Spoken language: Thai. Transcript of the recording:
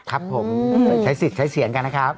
ครับผมใช้สิทธิ์ใช้เสียงกันนะครับ